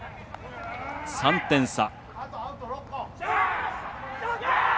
３点差。